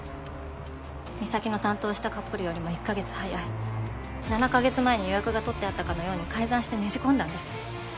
美咲の担当したカップルよりも１か月早い７か月前に予約が取ってあったかのように改ざんしてねじ込んだんです。